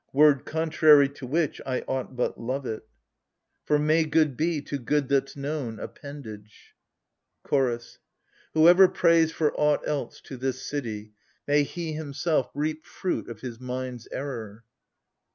.. Word contrary to which, I aught but love it ! 42 AGAMEMNON. For may good be — to good that's known — append age ! CHOROS. Whoever prays for aught else to this city — May he himself reap fruit of his mind's error